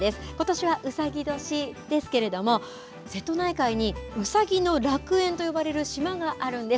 ことしはうさぎ年ですけれども、瀬戸内海にうさぎの楽園と呼ばれる島があるんです。